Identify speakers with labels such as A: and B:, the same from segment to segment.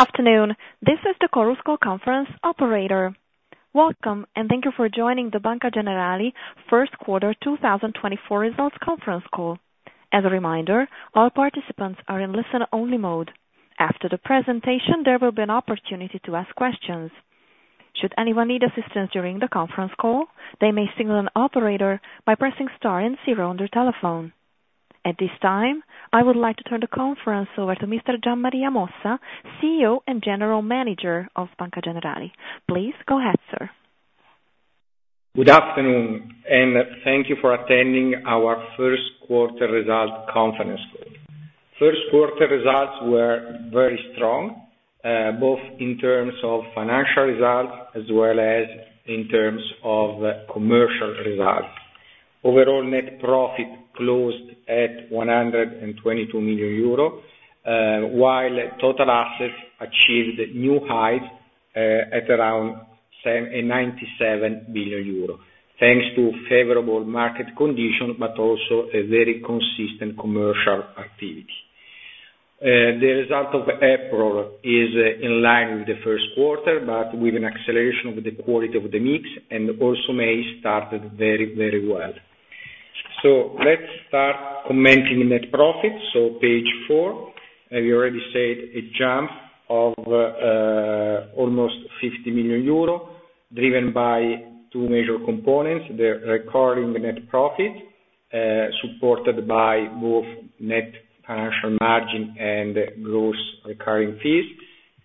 A: Good afternoon. This is the Chorus Call Conference operator. Welcome, and thank you for joining the Banca Generali first quarter 2024 results conference call. As a reminder, all participants are in listen-only mode. After the presentation, there will be an opportunity to ask questions. Should anyone need assistance during the conference call, they may signal an operator by pressing star and zero on their telephone. At this time, I would like to turn the conference over to Mr. Gian Maria Mossa, CEO and General Manager of Banca Generali. Please go ahead, sir.
B: Good afternoon, and thank you for attending our first quarter results conference call. First quarter results were very strong, both in terms of financial results as well as in terms of commercial results. Overall net profit closed at 122 million euro, while total assets achieved new highs at around 97 billion euro, thanks to favorable market conditions but also a very consistent commercial activity. The result of April is in line with the first quarter, but with an acceleration of the quality of the mix and also May start very, very well. So let's start commenting net profit. So page four, as you already said, a jump of almost 50 million euro driven by two major components: the recurring net profit supported by both net financial margin and gross recurring fees,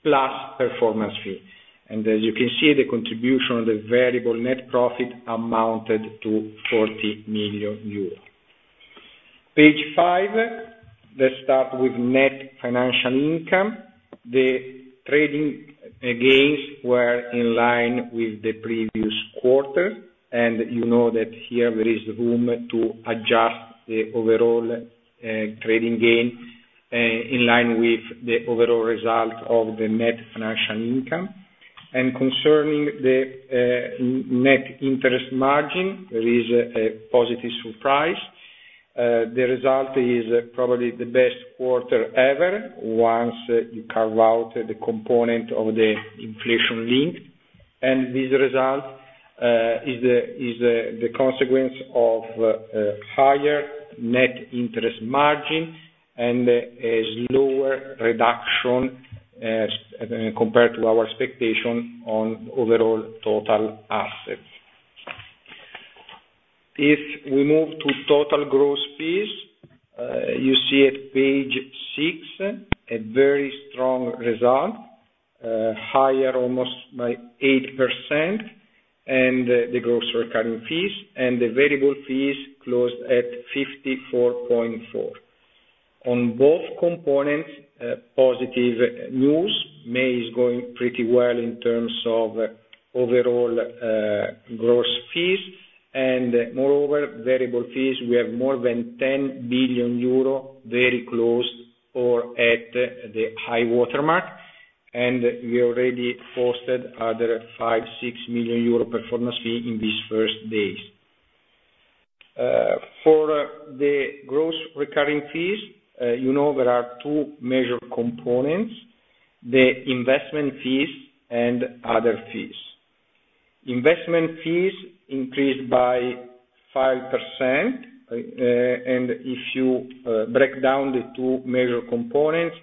B: plus performance fee. And as you can see, the contribution of the variable net profit amounted to 40 million euro. Page 5, let's start with net financial income. The trading gains were in line with the previous quarter, and you know that here there is room to adjust the overall trading gain in line with the overall result of the net financial income. Concerning the net interest margin, there is a positive surprise. The result is probably the best quarter ever once you carve out the component of the inflation link. This result is the consequence of higher net interest margin and a slower reduction compared to our expectation on overall total assets. If we move to total gross fees, you see at page 6 a very strong result, higher almost by 8%, and the gross recurring fees, and the variable fees closed at 54.4 million. On both components, positive news. May is going pretty well in terms of overall gross fees. Moreover, variable fees, we have more than 10 billion euro very close or at the high watermark, and we already posted other 5 million-6 million euro performance fee in these first days. For the gross recurring fees, you know there are two major components: the investment fees and other fees. Investment fees increased by 5%, and if you break down the two major components,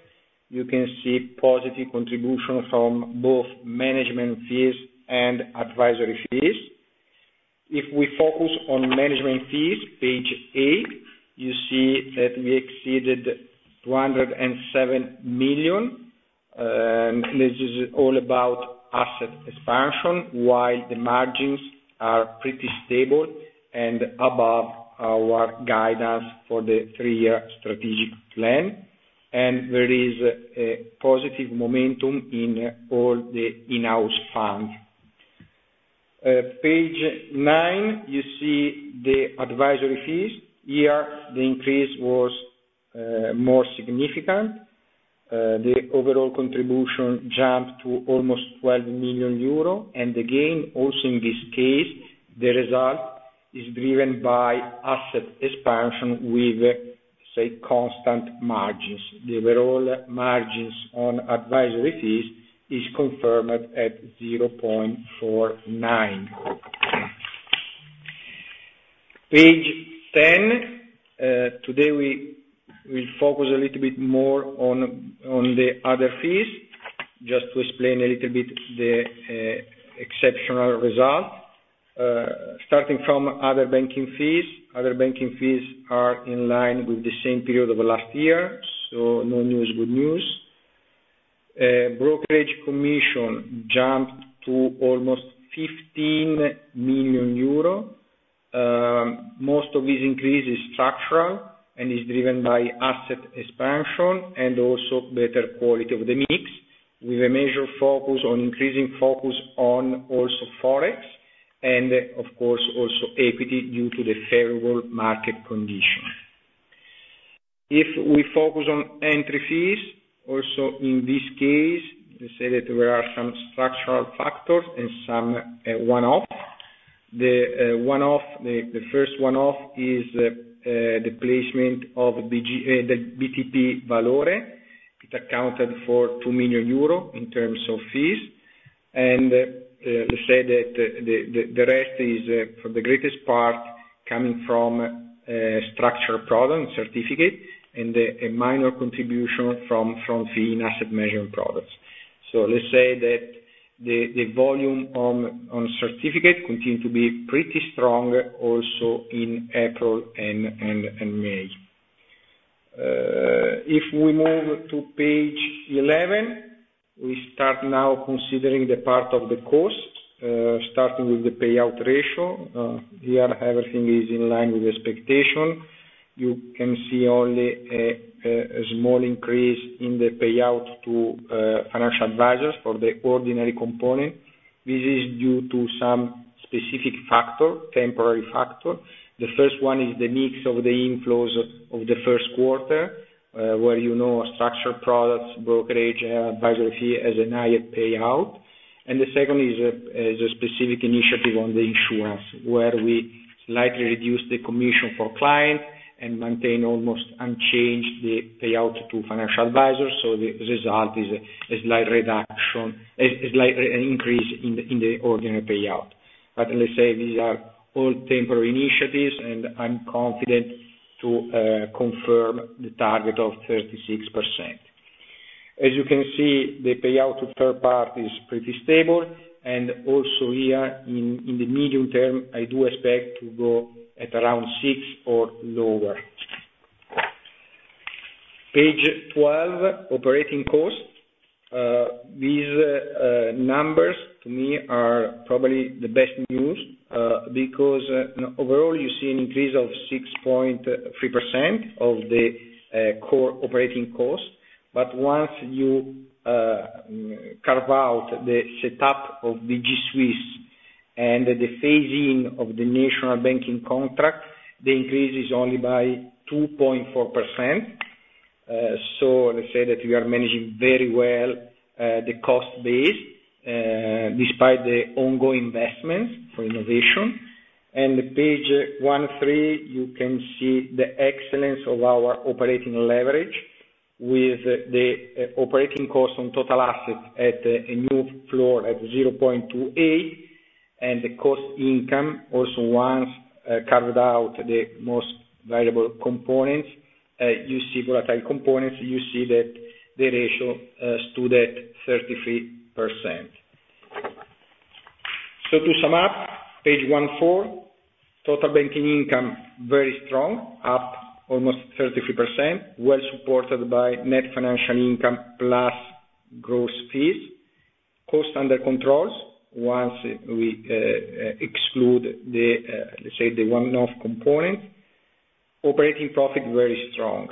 B: you can see positive contribution from both management fees and advisory fees. If we focus on management fees, page 8, you see that we exceeded 207 million. This is all about asset expansion, while the margins are pretty stable and above our guidance for the three-year strategic plan. There is a positive momentum in all the in-house funds. Page 9, you see the advisory fees. Here, the increase was more significant. The overall contribution jumped to almost 12 million euro, and again, also in this case, the result is driven by asset expansion with, say, constant margins. The overall margins on advisory fees are confirmed at 0.49%. Page 10, today we will focus a little bit more on the other fees just to explain a little bit the exceptional result. Starting from other banking fees, other banking fees are in line with the same period of last year, so no news, good news. Brokerage commission jumped to almost 15 million euro. Most of these increases are structural and are driven by asset expansion and also better quality of the mix with a major focus on increasing focus on also Forex and, of course, also equity due to the favorable market conditions. If we focus on entry fees, also in this case, let's say that there are some structural factors and some one-off. The first one-off is the placement of the BTP Valore. It accounted for 2 million euro in terms of fees. Let's say that the rest is, for the greatest part, coming from structured products, certificates, and a minor contribution from front-fee in asset management products. Let's say that the volume on certificates continued to be pretty strong also in April and May. If we move to page 11, we start now considering the part of the cost, starting with the payout ratio. Here, everything is in line with expectation. You can see only a small increase in the payout to financial advisors for the ordinary component. This is due to some specific factor, temporary factor. The first one is the mix of the inflows of the first quarter, where you know structured products, brokerage, advisory fee as an added payout. And the second is a specific initiative on the insurance, where we slightly reduce the commission for clients and maintain almost unchanged the payout to financial advisors. So the result is a slight increase in the ordinary payout. But let's say these are all temporary initiatives, and I'm confident to confirm the target of 36%. As you can see, the payout to third parties is pretty stable. And also here, in the medium term, I do expect to go at around 6% or lower. Page 12, operating cost. These numbers, to me, are probably the best news because overall, you see an increase of 6.3% of the core operating cost. But once you carve out the setup of BG Suisse and the phasing of the national banking contract, the increase is only by 2.4%. Let's say that we are managing very well the cost base despite the ongoing investments for innovation. Page 13, you can see the excellence of our operating leverage with the operating cost on total assets at a new floor at 0.28. The cost income, also once carved out the most variable components, you see volatile components, you see that the ratio stood at 33%. To sum up, page 14, total banking income very strong, up almost 33%, well supported by net financial income plus gross fees. Cost under control once we exclude, let's say, the one-off component. Operating profit very strong.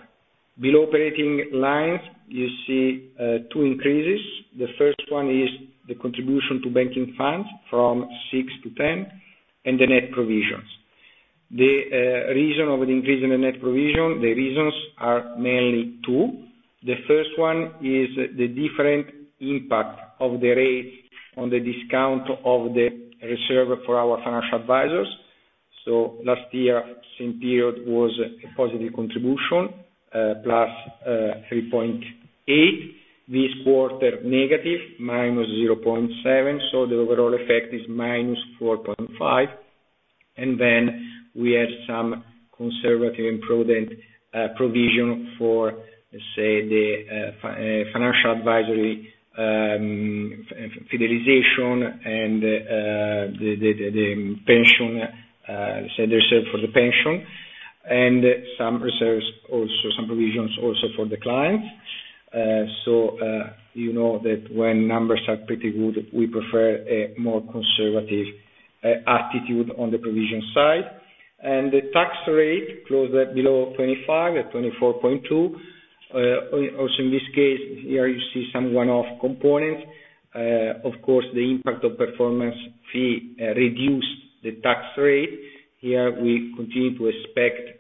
B: Below operating lines, you see two increases. The first one is the contribution to banking funds from 6%-10% and the net provisions. The reason of the increase in the net provision, the reasons are mainly two. The first one is the different impact of the rates on the discount of the reserve for our financial advisors. So last year, same period was a positive contribution +3.8%. This quarter, negative -0.7%. So the overall effect is -4.5%. And then we had some conservative and prudent provision for, let's say, the financial advisory fidelization and the reserve for the pension and some provisions also for the clients. So you know that when numbers are pretty good, we prefer a more conservative attitude on the provision side. And the tax rate closed below 25% at 24.2%. Also in this case, here, you see some one-off components. Of course, the impact of performance fee reduced the tax rate. Here, we continue to expect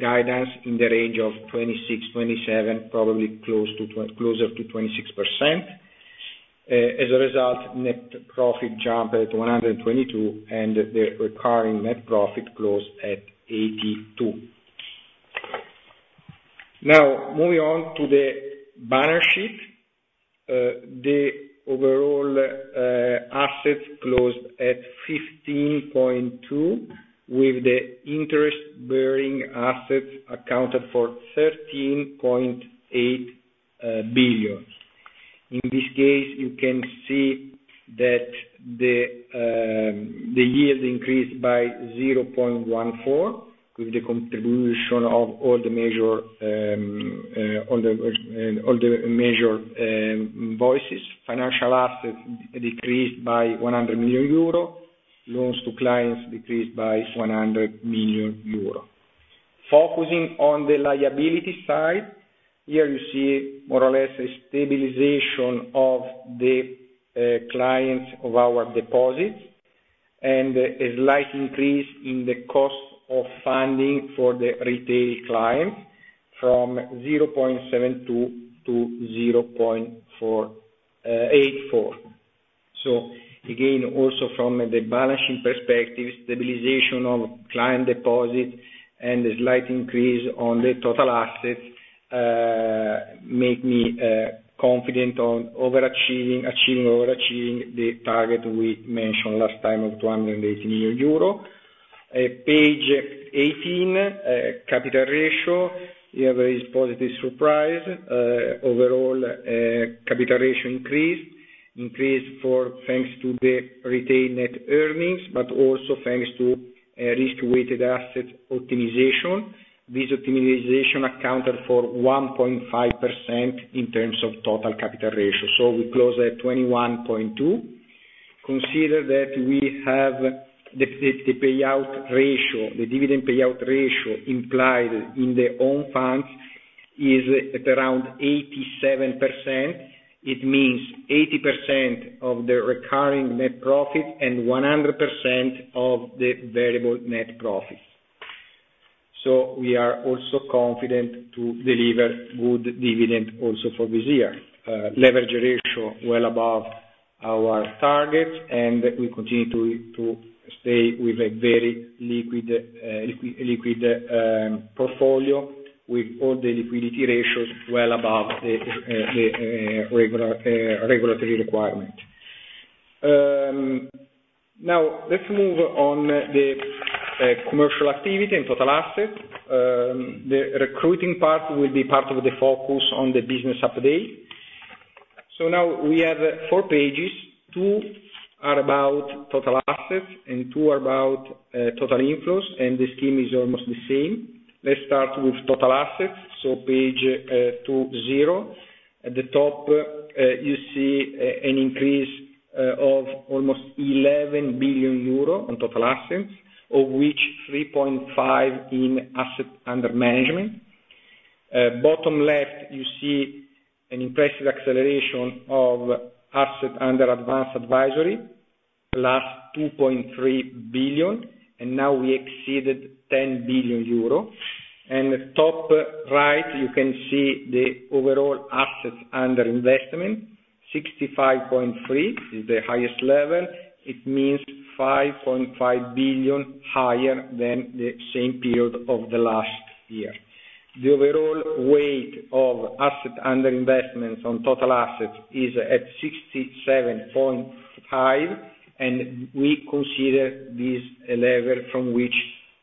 B: guidance in the range of 26%-27%, probably closer to 26%. As a result, net profit jumped at 122 million, and the recurring net profit closed at 82 million. Now, moving on to the balance sheet, the overall assets closed at 15.2% with the interest-bearing assets accounted for EUR 13.8 billion. In this case, you can see that the yield increased by 0.14% with the contribution of all the major voices. Financial assets decreased by 100 million euro. Loans to clients decreased by 100 million euro. Focusing on the liability side, here, you see more or less a stabilization of the clients of our deposits and a slight increase in the cost of funding for the retail clients from 0.72% to 0.84%. So again, also from the balancing perspective, stabilization of client deposits and a slight increase on the total assets make me confident on achieving or overachieving the target we mentioned last time of 280 million euro. Page 18, capital ratio. Here, there is positive surprise. Overall, capital ratio increased thanks to the retained net earnings but also thanks to Risk-Weighted Assets optimization. This optimization accounted for 1.5% in terms of total capital ratio. So we closed at 21.2%. Consider that we have the dividend payout ratio implied in the own funds is at around 87%. It means 80% of the recurring net profit and 100% of the variable net profit. So we are also confident to deliver good dividend also for this year. Leverage ratio well above our targets, and we continue to stay with a very liquid portfolio with all the liquidity ratios well above the regulatory requirement. Now, let's move on to the commercial activity and total assets. The recruiting part will be part of the focus on the business update. So now we have four pages. two are about total assets, and two are about total inflows, and the scheme is almost the same. Let's start with total assets. Page 20, at the top, you see an increase of almost 11 billion euro on total assets, of which 3.5% in assets under management. Bottom left, you see an impressive acceleration of assets under advanced advisory, +2.3 billion, and now we exceeded 10 billion euro. Top right, you can see the overall assets under investment. 65.3% is the highest level. It means 5.5 billion higher than the same period of the last year. The overall weight of assets under investments on total assets is at 67.5%, and we consider this a level from which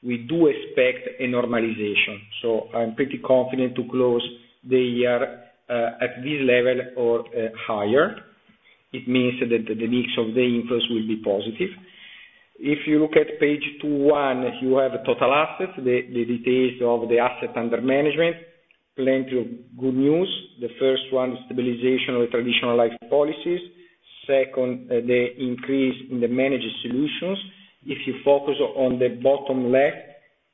B: we do expect a normalization. I'm pretty confident to close the year at this level or higher. It means that the mix of the inflows will be positive. If you look at page 21, you have total assets, the details of the assets under management, plenty of good news. The first one, stabilization of the Traditional Life Policies. Second, the increase in the Managed Solutions. If you focus on the bottom left,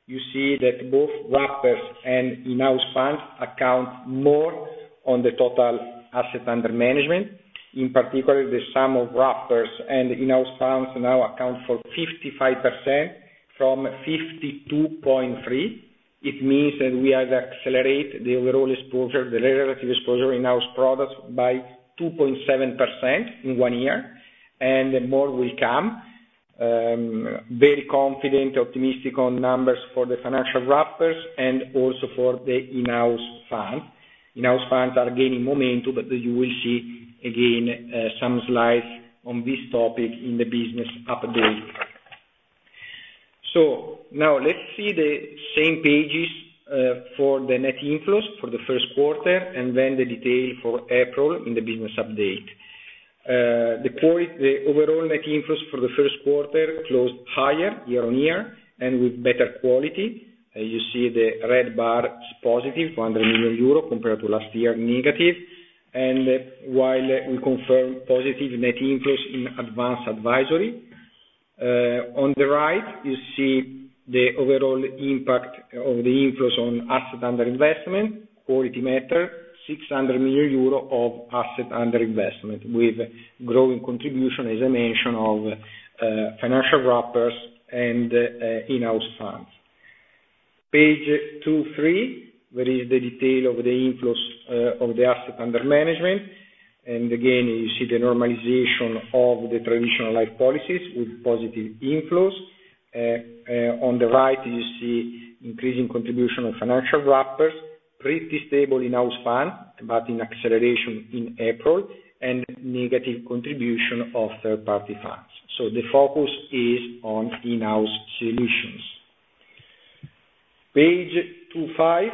B: you see that both wrappers and in-house funds account more on the total assets under management. In particular, the sum of wrappers and in-house funds now account for 55% from 52.3%. It means that we have accelerated the overall exposure, the relative exposure in-house products by 2.7% in one year, and more will come. Very confident, optimistic on numbers for the financial wrappers and also for the in-house funds. In-house funds are gaining momentum, but you will see, again, some slides on this topic in the business update. So now, let's see the same pages for the net inflows for the first quarter and then the detail for April in the business update. The overall net inflows for the first quarter closed higher year-on-year and with better quality. You see the red bar is positive, 200 million euro compared to last year, negative, while we confirm positive net inflows in advanced advisory. On the right, you see the overall impact of the inflows on assets under investment, quality meter, 600 million euro of assets under investment with growing contribution, as I mentioned, of financial wrappers and in-house funds. Page 23, there is the detail of the inflows of the assets under management. And again, you see the normalization of the traditional life policies with positive inflows. On the right, you see increasing contribution of financial wrappers, pretty stable in-house funds but in acceleration in April, and negative contribution of third-party funds. So the focus is on in-house solutions. Page 25,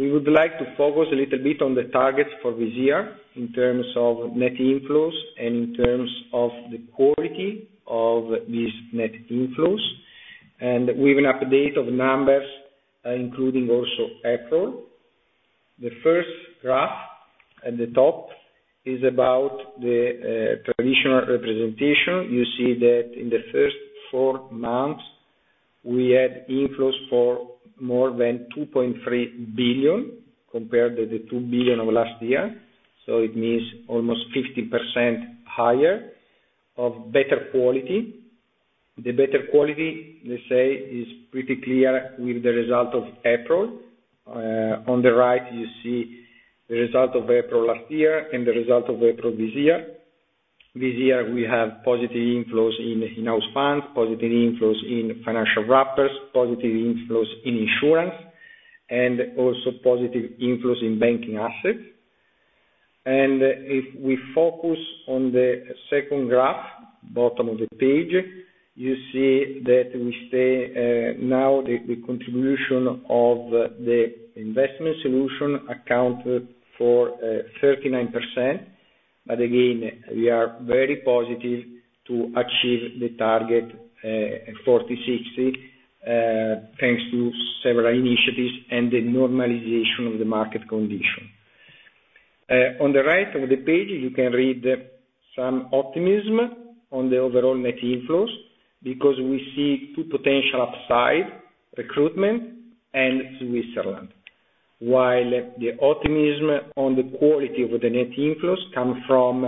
B: we would like to focus a little bit on the targets for this year in terms of net inflows and in terms of the quality of these net inflows. We have an update of numbers including also April. The first graph at the top is about the traditional representation. You see that in the first four months, we had inflows for more than 2.3 billion compared to the 2 billion of last year. So it means almost 50% higher of better quality. The better quality, let's say, is pretty clear with the result of April. On the right, you see the result of April last year and the result of April this year. This year, we have positive inflows in in-house funds, positive inflows in financial wrappers, positive inflows in insurance, and also positive inflows in banking assets. And if we focus on the second graph, bottom of the page, you see that we stay now the contribution of the investment solution accounted for 39%. But again, we are very positive to achieve the target of 40/60 thanks to several initiatives and the normalization of the market condition. On the right of the page, you can read some optimism on the overall net inflows because we see two potential upsides, recruitment and Switzerland, while the optimism on the quality of the net inflows comes from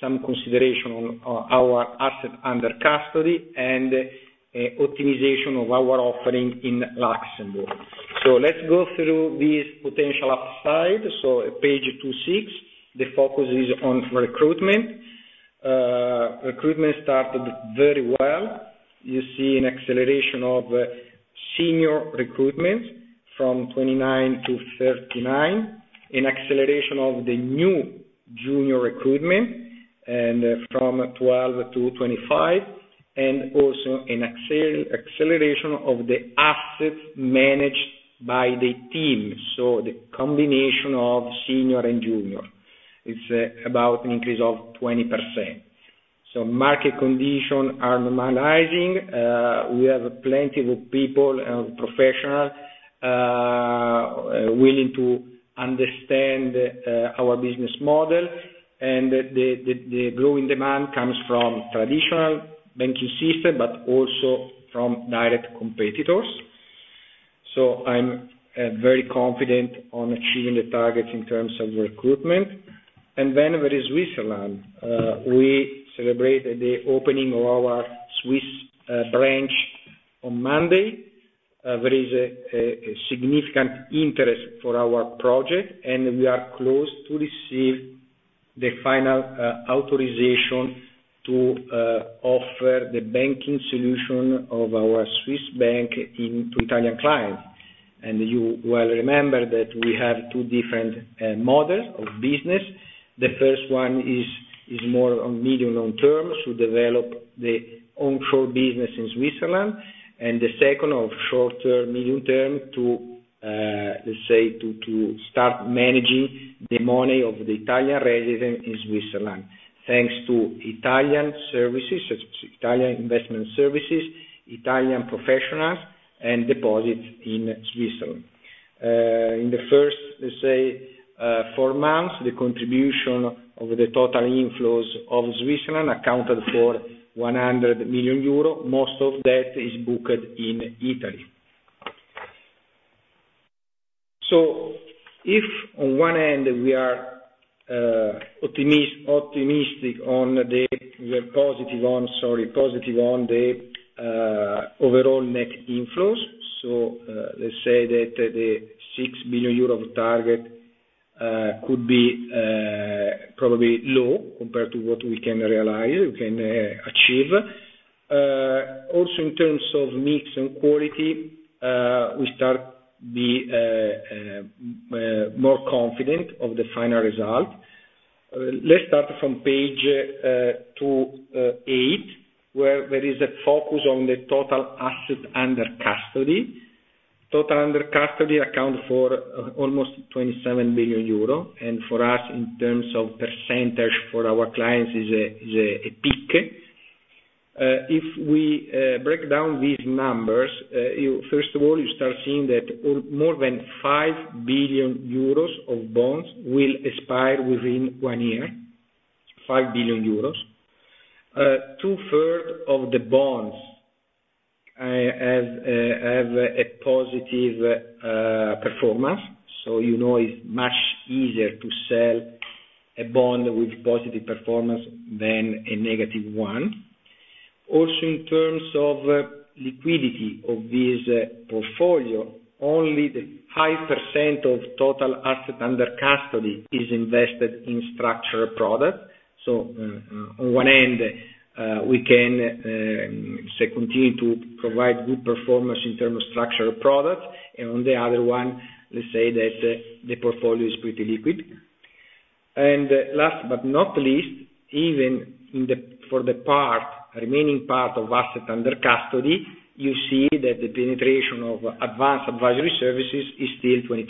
B: some consideration on our assets under custody and optimization of our offering in Luxembourg. So let's go through these potential upsides. So page 26, the focus is on recruitment. Recruitment started very well. You see an acceleration of senior recruitments from 29 to 39, an acceleration of the new junior recruitment from 12 to 25, and also an acceleration of the assets managed by the team, so the combination of senior and junior. It's about an increase of 20%. So market conditions are normalizing. We have plenty of people and professionals willing to understand our business model. And the growing demand comes from traditional banking systems but also from direct competitors. So I'm very confident on achieving the targets in terms of recruitment. And then there is Switzerland. We celebrated the opening of our Swiss branch on Monday. There is a significant interest for our project, and we are close to receive the final authorization to offer the banking solution of our Swiss bank to Italian clients. And you well remember that we have two different models of business. The first one is more on medium-long term to develop the onshore business in Switzerland, and the second, of short-term, medium-term, to start managing the money of the Italian resident in Switzerland thanks to Italian services, Italian investment services, Italian professionals, and deposits in Switzerland. In the first, let's say, four months, the contribution of the total inflows of Switzerland accounted for 100 million euro. Most of that is booked in Italy. So if, on one end, we are positive on the overall net inflows, so let's say that the 6 billion euro target could be probably low compared to what we can realize, we can achieve. Also, in terms of mix and quality, we start to be more confident of the final result. Let's start from page 28, where there is a focus on the total assets under custody. Total under custody accounted for almost 27 billion euro. For us, in terms of percentage for our clients, it's a peak. If we break down these numbers, first of all, you start seeing that more than 5 billion euros of bonds will expire within one year, 5 billion euros. Two-thirds of the bonds have a positive performance. It's much easier to sell a bond with positive performance than a negative one. Also, in terms of liquidity of this portfolio, only 5% of total assets under custody is invested in structural products. On one end, we can continue to provide good performance in terms of structural products. On the other one, let's say that the portfolio is pretty liquid. Last but not least, even for the remaining part of assets under custody, you see that the penetration of advanced advisory services is still 22%.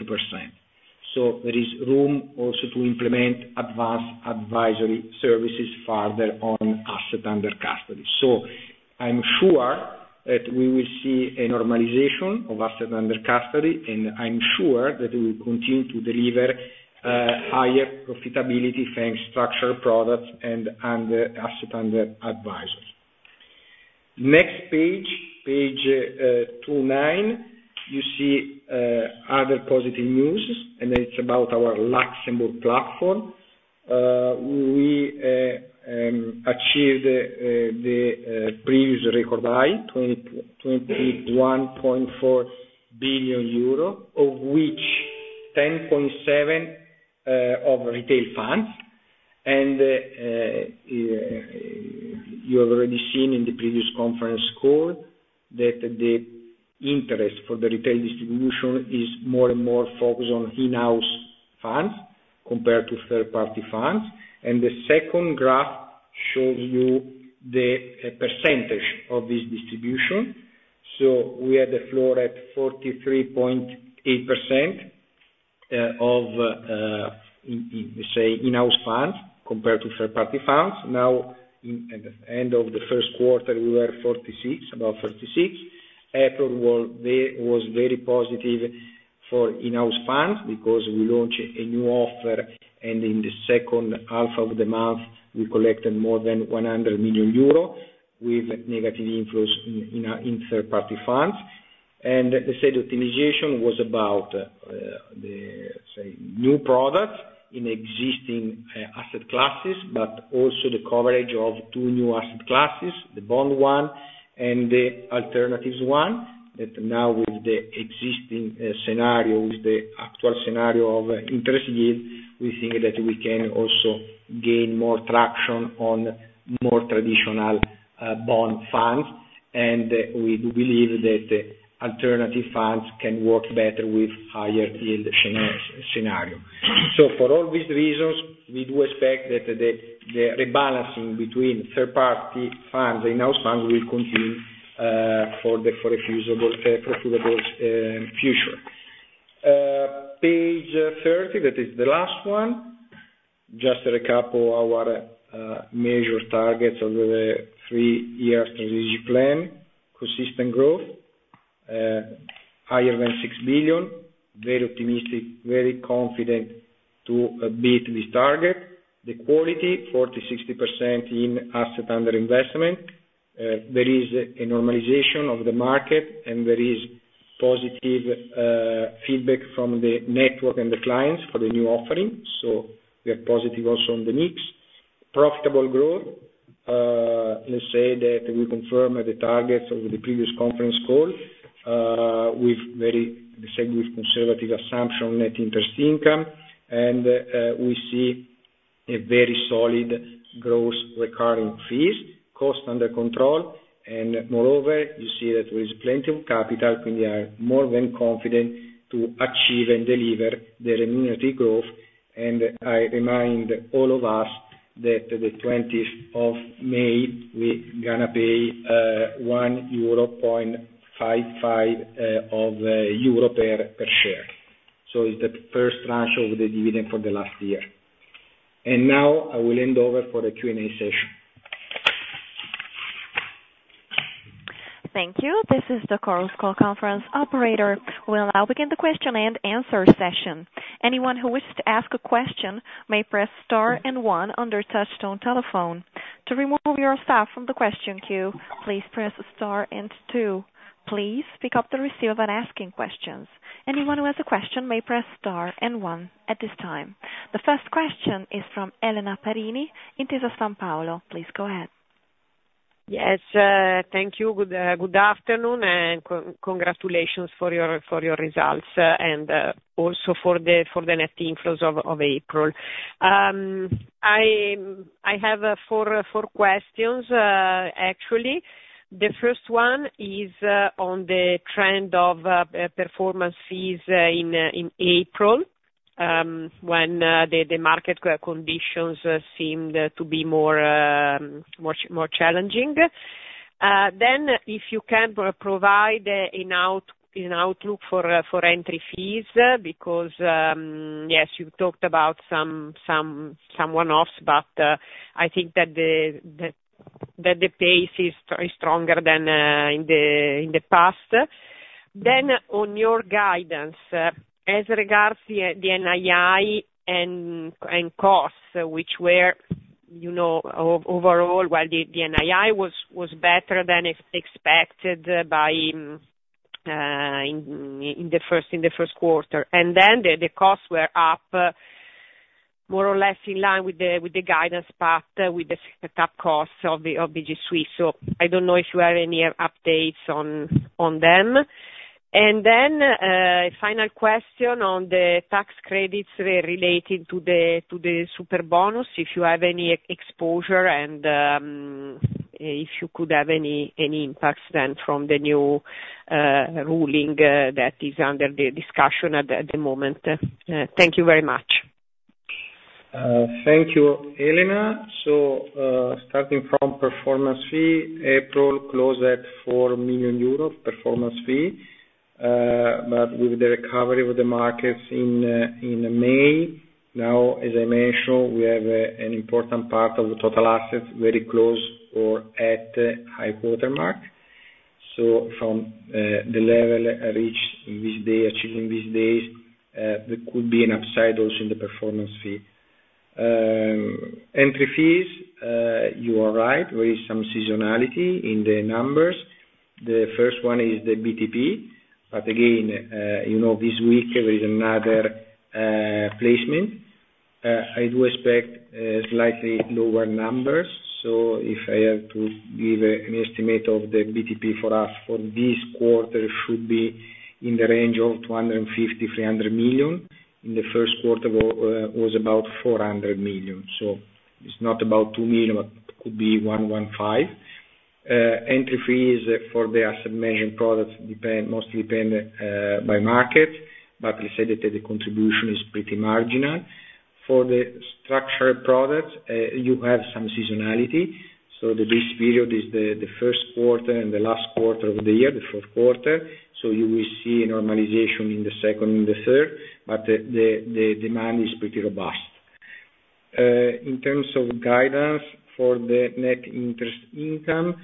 B: So there is room also to implement advanced advisory services further on assets under custody. So I'm sure that we will see a normalization of assets under custody, and I'm sure that we will continue to deliver higher profitability thanks to structured products and assets under advisory. Next page, page 29, you see other positive news, and it's about our Luxembourg platform. We achieved the previous record high, 21.4 billion euro, of which 10.7% of retail funds. And you have already seen in the previous conference call that the interest for the retail distribution is more and more focused on in-house funds compared to third-party funds. And the second graph shows you the percentage of this distribution. So we had the low at 43.8% of, let's say, in-house funds compared to third-party funds. Now, at the end of the First Quarter, we were about 46%. April was very positive for in-house funds because we launched a new offer, and in the second half of the month, we collected more than 100 million euro with negative inflows in third-party funds. Let's say the optimization was about the new products in existing asset classes but also the coverage of two new asset classes, the bond one and the alternatives one. Now, with the existing scenario, with the actual scenario of interest yield, we think that we can also gain more traction on more traditional bond funds. We do believe that alternative funds can work better with higher-yield scenarios. For all these reasons, we do expect that the rebalancing between third-party funds and in-house funds will continue for a profitable future. Page 30, that is the last one, just a recap of our major targets of the three-year strategic plan, consistent growth, higher than 6 billion, very optimistic, very confident to beat this target, the quality, 40/60% in assets under investment. There is a normalization of the market, and there is positive feedback from the network and the clients for the new offering. So we are positive also on the mix, profitable growth. Let's say that we confirm the targets of the previous conference call with very let's say with conservative assumption on net interest income. We see a very solid gross recurring fees, cost under control. Moreover, you see that there is plenty of capital, and we are more than confident to achieve and deliver the income growth. I remind all of us that the 20th of May, we're going to pay 1.55 euro per share. It's the first tranche of the dividend for the last year. Now, I will hand over for the Q&A session.
A: Thank you. This is the Chorus Call operator. We will now begin the question and answer session. Anyone who wishes to ask a question may press star and one on touch-tone telephone. To remove yourself from the question queue, please press star and two. Please pick up the receiver when asking questions. Anyone who has a question may press star and one at this time. The first question is from Elena Perini in Intesa Sanpaolo. Please go ahead.
C: Yes. Thank you. Good afternoon and congratulations for your results and also for the net inflows of April. I have four questions, actually. The first one is on the trend of performance fees in April when the market conditions seemed to be more challenging. Then, if you can provide an outlook for entry fees because, yes, you talked about some one-offs, but I think that the pace is stronger than in the past. Then, on your guidance as regards the NII and costs, which were overall well, the NII was better than expected in the first quarter. And then the costs were up more or less in line with the guidance path with the setup costs of BG Suisse. So I don't know if you have any updates on them. And then final question on the tax credits related to the Superbonus, if you have any exposure and if you could have any impacts then from the new ruling that is under the discussion at the moment? Thank you very much.
B: Thank you, Elena. So starting from performance fee, April closed at 4 million euros performance fee but with the recovery of the markets in May. Now, as I mentioned, we have an important part of the total assets very close or at the high watermark. So from the level reached this day, achieved in these days, there could be an upside also in the performance fee. Entry fees, you are right. There is some seasonality in the numbers. The first one is the BTP. But again, this week, there is another placement. I do expect slightly lower numbers. So if I have to give an estimate of the BTP for us for this quarter, it should be in the range of 250million- 300 million. In the first quarter, it was about 400 million. So it's not about 2 million but could be 115. Entry fees for the asset management products mostly depend by market, but let's say that the contribution is pretty marginal. For the structural products, you have some seasonality. So the base period is the first quarter and the last quarter of the year, the fourth quarter. So you will see a normalization in the second and the third, but the demand is pretty robust. In terms of guidance for the net interest income,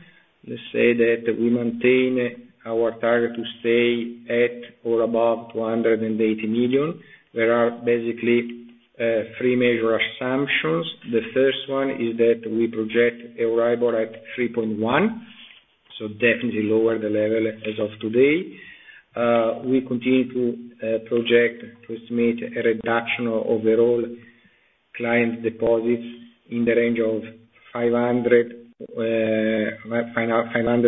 B: let's say that we maintain our target to stay at or above 280 million. There are basically three major assumptions. The first one is that we project a revenue at 3.1%, so definitely lower the level as of today. We continue to project to estimate a reduction of overall client deposits in the range of 500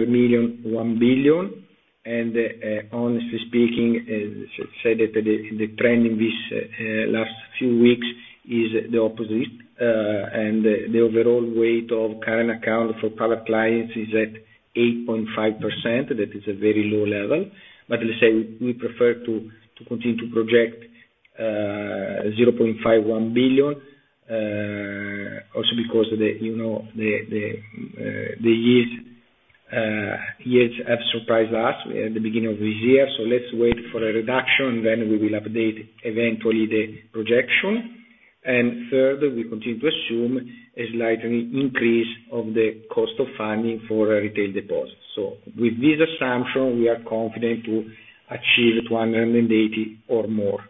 B: million-1 billion. And honestly speaking, let's say that the trend in these last few weeks is the opposite. The overall weight of current account for power clients is at 8.5%. That is a very low level. Let's say we prefer to continue to project 0.51 billion also because the years have surprised us at the beginning of this year. Let's wait for a reduction, and then we will update eventually the projection. Third, we continue to assume a slight increase of the cost of funding for retail deposits. With this assumption, we are confident to achieve 280 or more.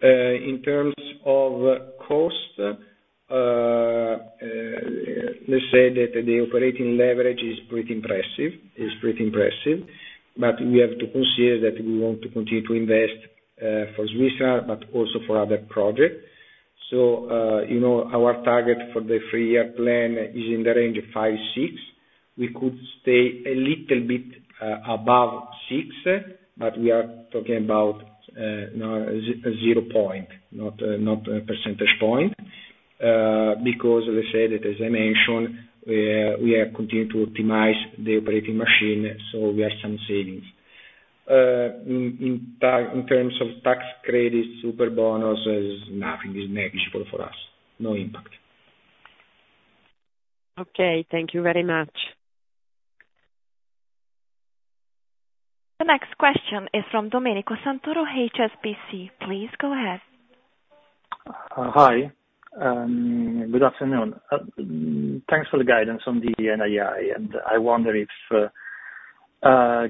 B: In terms of cost, let's say that the operating leverage is pretty impressive. It's pretty impressive. We have to consider that we want to continue to invest for Suisse but also for other projects. Our target for the three-year plan is in the range of 5%-6%. We could stay a little bit above 6%, but we are talking about a zero point, not a percentage point because, let's say that, as I mentioned, we are continuing to optimize the operating machine, so we have some savings. In terms of tax credits, Superbonus, nothing. It's negligible for us. No impact.
A: Okay. Thank you very much. The next question is from Domenico Santoro, HSBC. Please go ahead.
D: Hi. Good afternoon. Thanks for the guidance on the NII. I wonder if,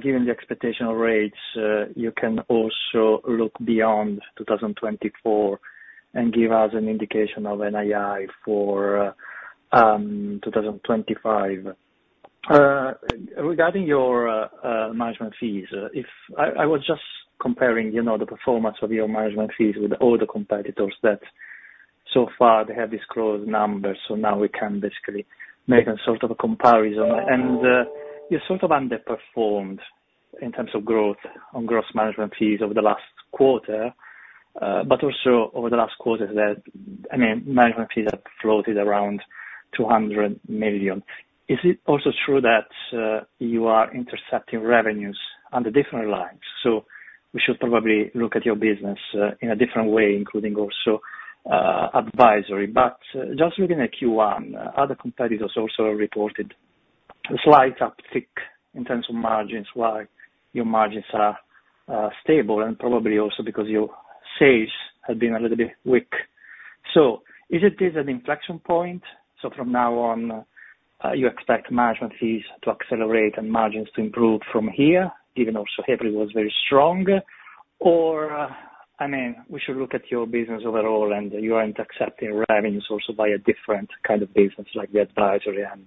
D: given the expectational rates, you can also look beyond 2024 and give us an indication of NII for 2025. Regarding your management fees, I was just comparing the performance of your management fees with all the competitors that so far they have these close numbers. Now, we can basically make a sort of a comparison. You sort of underperformed in terms of growth on gross management fees over the last quarter but also over the last quarter that I mean, management fees have floated around 200 million. Is it also true that you are intercepting revenues on the different lines? We should probably look at your business in a different way, including also advisory. But just looking at Q1, other competitors also reported a slight uptick in terms of margins. Why your margins are stable, and probably also because your sales have been a little bit weak. So is this an inflection point? So from now on, you expect management fees to accelerate and margins to improve from here, given also April was very strong? Or I mean, we should look at your business overall, and you aren't accepting revenues also via different kind of business like the advisory, and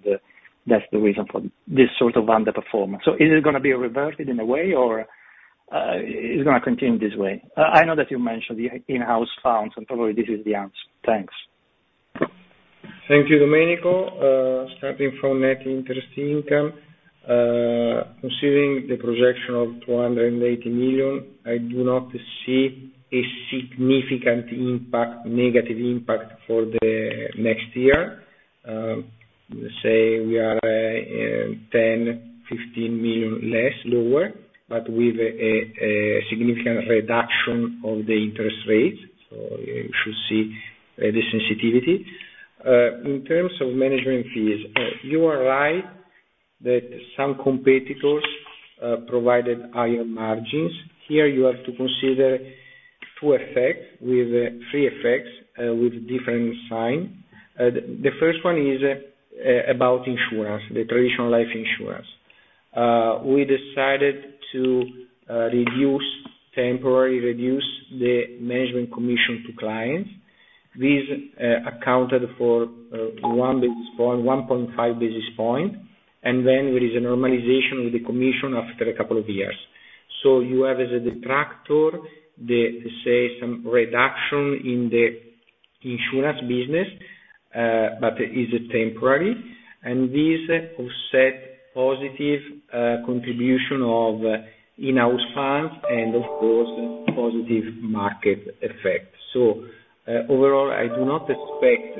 D: that's the reason for this sort of underperformance. So is it going to be reverted in a way, or is it going to continue this way? I know that you mentioned the in-house funds, and probably this is the answer. Thanks.
B: Thank you, Domenico. Starting from net interest income, considering the projection of 280 million, I do not see a significant impact, negative impact for the next year. Let's say we are 10 million-15 million less, lower, but with a significant reduction of the interest rates. So you should see the sensitivity. In terms of management fees, you are right that some competitors provided higher margins. Here, you have to consider two effects with three effects with different signs. The first one is about insurance, the traditional life insurance. We decided to temporarily reduce the management commission to clients. This accounted for 1.5 basis point. And then there is a normalization with the commission after a couple of years. So you have as a detractor, let's say, some reduction in the insurance business, but it is temporary. And this offset positive contribution of in-house funds and, of course, positive market effect. So overall, I do not expect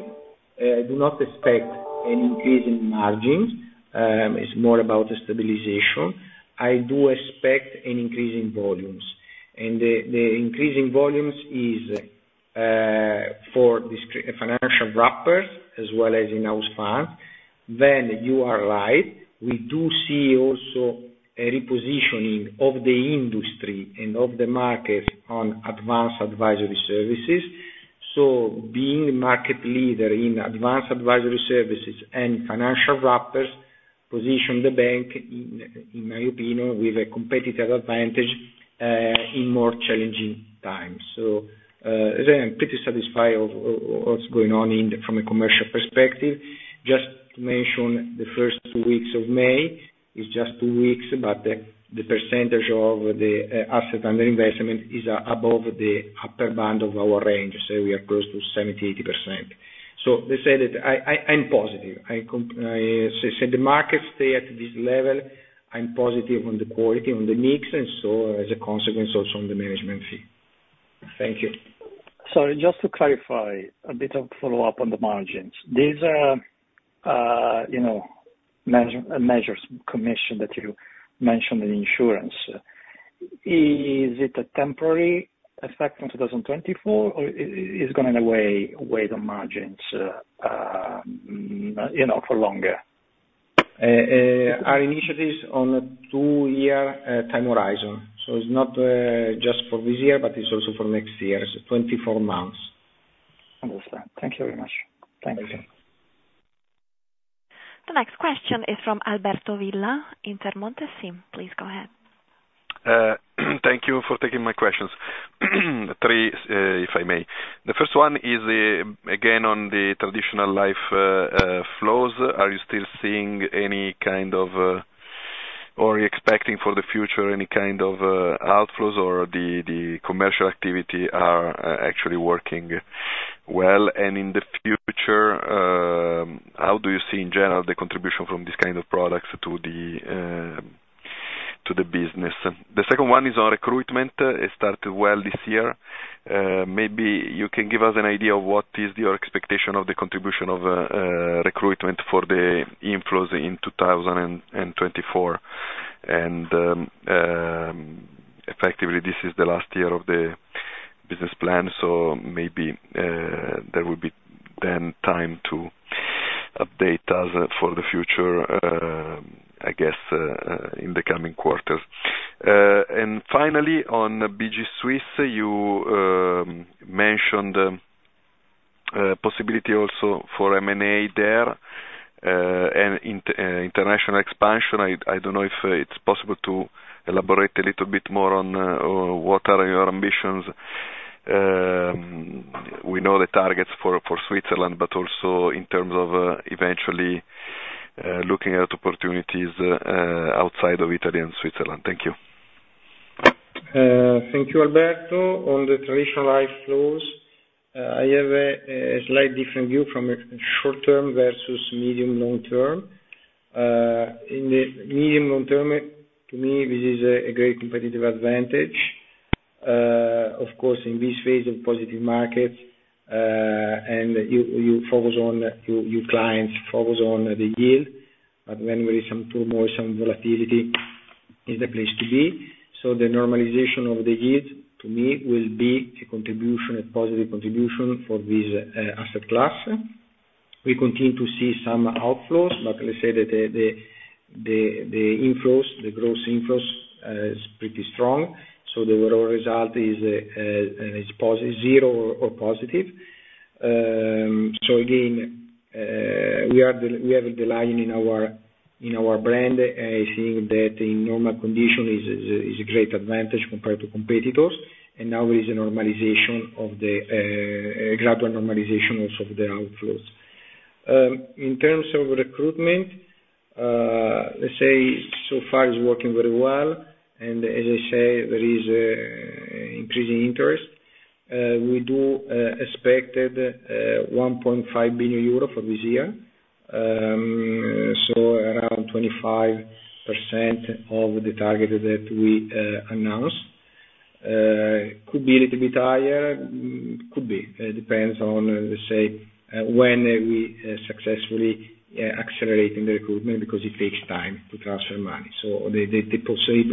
B: I do not expect an increase in margins. It's more about stabilization. I do expect an increase in volumes. And the increase in volumes is for financial wrappers as well as in-house funds. Then you are right. We do see also a repositioning of the industry and of the markets on advanced advisory services. So being the market leader in advanced advisory services and financial wrappers positioned the bank, in my opinion, with a competitive advantage in more challenging times. So I'm pretty satisfied with what's going on from a commercial perspective. Just to mention, the first two weeks of May is just two weeks, but the percentage of the assets under investment is above the upper band of our range. So we are close to 70%-80%. So let's say that I'm positive. I say the markets stay at this level. I'm positive on the quality, on the mix, and so as a consequence, also on the management fee. Thank you.
D: Sorry, just to clarify a bit of follow-up on the margins. These are management commissions that you mentioned in insurance. Is it a temporary effect on 2024, or is it going to, in a way, weigh the margins for longer?
B: Our initiative is on a 2-year time horizon. It's not just for this year, but it's also for next year. It's 24 months.
D: Understood. Thank you very much. Thank you.
A: The next question is from Alberto Villa in Intermonte. Please go ahead.
E: Thank you for taking my questions. Three, if I may. The first one is, again, on the traditional life flows. Are you still seeing any kind of or expecting for the future any kind of outflows, or the commercial activity is actually working well? And in the future, how do you see, in general, the contribution from these kinds of products to the business? The second one is on recruitment. It started well this year. Maybe you can give us an idea of what is your expectation of the contribution of recruitment for the inflows in 2024. And effectively, this is the last year of the business plan, so maybe there will be then time to update us for the future, I guess, in the coming quarters. And finally, on BG Swiss, you mentioned the possibility also for M&A there and international expansion. I don't know if it's possible to elaborate a little bit more on what are your ambitions. We know the targets for Switzerland but also in terms of eventually looking at opportunities outside of Italy and Switzerland. Thank you.
B: Thank you, Alberto. On the traditional life flows, I have a slightly different view from short-term versus medium-long-term. In the medium-long-term, to me, this is a great competitive advantage. Of course, in this phase of positive markets and you focus on your clients, focus on the yield. But when there is some turmoil, some volatility, it's the place to be. So the normalization of the yield, to me, will be a positive contribution for this asset class. We continue to see some outflows, but let's say that the inflows, the gross inflows, is pretty strong. So the overall result is zero or positive. So again, we have the lion in our brand. I think that in normal condition, it's a great advantage compared to competitors. Now, there is a gradual normalization also of the outflows. In terms of recruitment, let's say so far it's working very well. As I say, there is increasing interest. We do expect 1.5 billion euro for this year, so around 25% of the target that we announced. Could be a little bit higher. Could be. It depends on, let's say, when we successfully accelerate in the recruitment because it takes time to transfer money. So the potential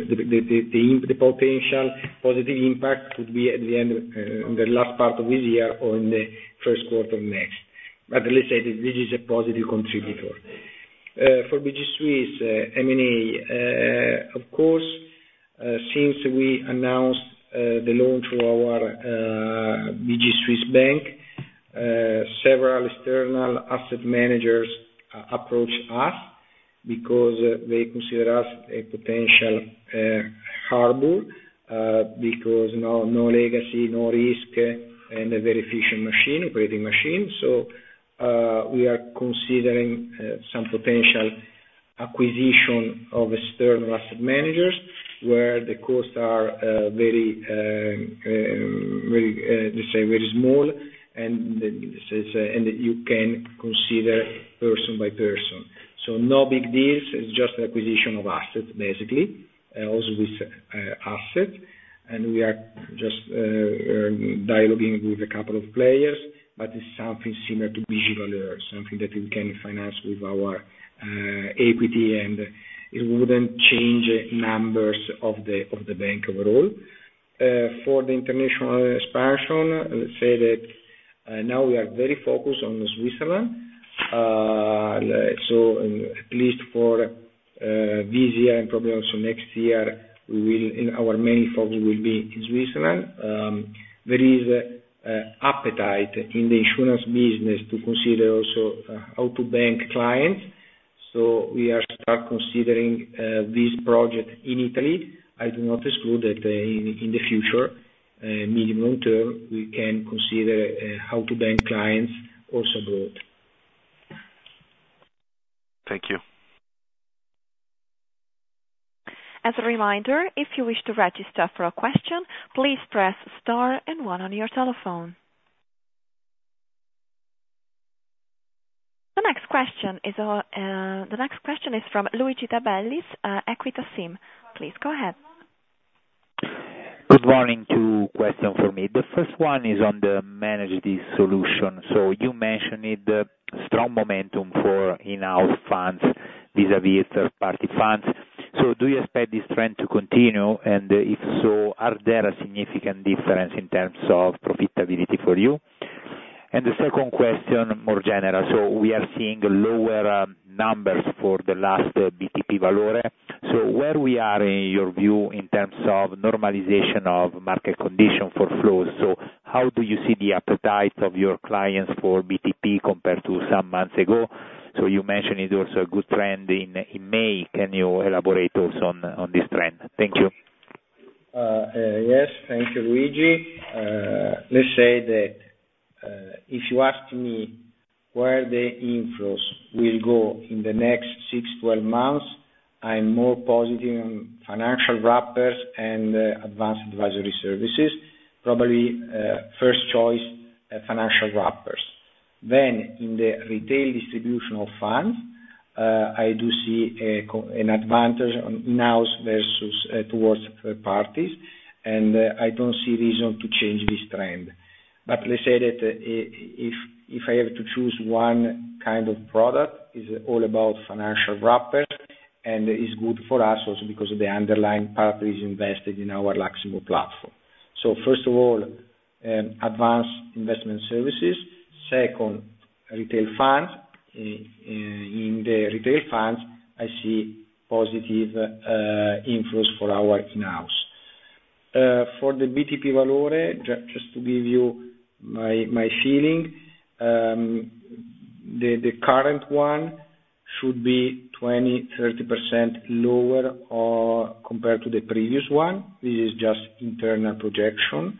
B: positive impact could be at the end, in the last part of this year or in the first quarter next. But let's say that this is a positive contributor. For BG Swiss M&A, of course, since we announced the loan through our BG Swiss Bank, several external asset managers approached us because they consider us a potential harbor because no legacy, no risk, and a very efficient operating machine. So we are considering some potential acquisition of external asset managers where the costs are very, let's say, very small, and you can consider person by person. So no big deals. It's just an acquisition of assets, basically, also with assets. And we are just dialoguing with a couple of players, but it's something similar to BG Valeur, something that we can finance with our equity. And it wouldn't change numbers of the bank overall. For the international expansion, let's say that now, we are very focused on Switzerland. So at least for this year and probably also next year, our main focus will be in Switzerland. There is appetite in the insurance business to consider also out-of-bank clients. So we are starting considering this project in Italy. I do not exclude that in the future, medium-long-term, we can consider out-of-bank clients also abroad.
E: Thank you.
A: As a reminder, if you wish to register for a question, please press star and 1 on your telephone. The next question is from Luigi De Bellis, Equita SIM. Please go ahead.
F: Good morning too. Question for me. The first one is on the managed solution. So you mentioned the strong momentum for in-house funds vis-à-vis third-party funds. So do you expect this trend to continue? And if so, are there significant differences in terms of profitability for you? And the second question, more general. So we are seeing lower numbers for the last BTP Valore. So where we are in your view in terms of normalization of market condition for flows, so how do you see the appetite of your clients for BTP compared to some months ago? So you mentioned it's also a good trend in May. Can you elaborate also on this trend? Thank you.
B: Yes. Thank you, Luigi. Let's say that if you ask me where the inflows will go in the next 6, 12 months, I'm more positive on financial wrappers and advanced advisory services, probably first choice financial wrappers. Then in the retail distribution of funds, I do see an advantage on in-house versus towards third parties. I don't see reason to change this trend. But let's say that if I have to choose one kind of product, it's all about financial wrappers, and it's good for us also because the underlying part is invested in our Luxembourg platform. So first of all, advanced investment services. Second, retail funds. In the retail funds, I see positive inflows for our in-house. For the BTP Valore, just to give you my feeling, the current one should be 20%-30% lower compared to the previous one. This is just internal projection.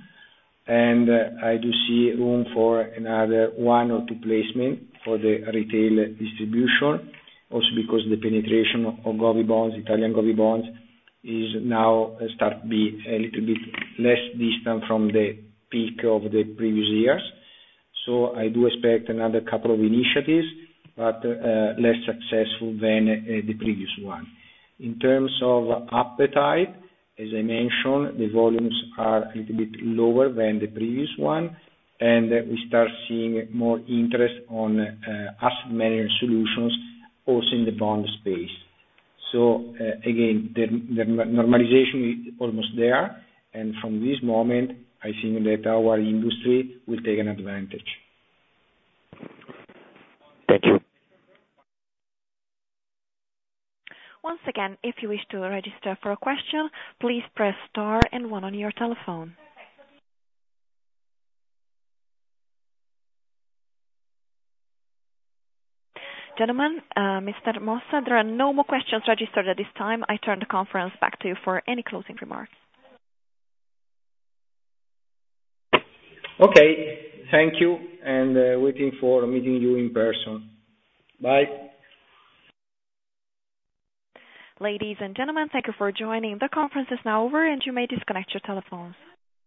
B: I do see room for another one or two placements for the retail distribution also because the penetration of Italian Govies bonds is now starting to be a little bit less distant from the peak of the previous years. I do expect another couple of initiatives but less successful than the previous one. In terms of appetite, as I mentioned, the volumes are a little bit lower than the previous one. We start seeing more interest on asset management solutions also in the bond space. Again, the normalization is almost there. From this moment, I think that our industry will take an advantage.
F: Thank you.
A: Once again, if you wish to register for a question, please press star and 1 on your telephone. Gentlemen, Mr. Mossa, there are no more questions registered at this time. I turn the conference back to you for any closing remarks.
B: Okay. Thank you. And waiting for meeting you in person. Bye.
A: Ladies and gentlemen, thank you for joining. The conference is now over, and you may disconnect your telephones.